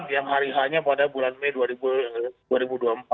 yang hari hanya pada bulan mei dua ribu dua puluh empat